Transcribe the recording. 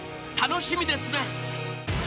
［楽しみですね！］